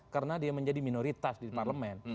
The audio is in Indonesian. karena dia menjadi minoritas di parlemen